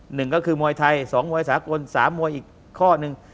หนึ่งก็คือมวยไทยสองมวยสากลสามมวยอีกข้อหนึ่ง